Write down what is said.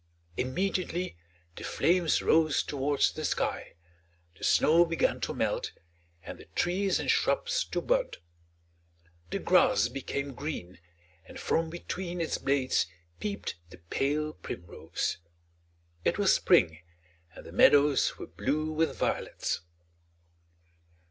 Immediately the flames rose towards the sky, the snow began to melt and the tress and shrubs to bud; the grass became green, and from between its blades peeped the pale primrose. It was Spring, and the meadows were blue with violets.